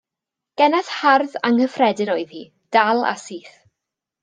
Geneth hardd anghyffredin oedd hi, dal a syth.